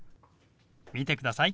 見てください。